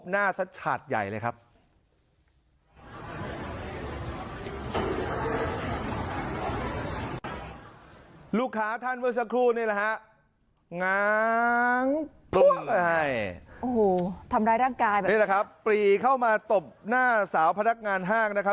นี่แหละครับปรีเข้ามาตบหน้าสาวพนักงานฮ่างนะครับ